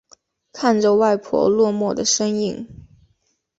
看着外婆落寞的身影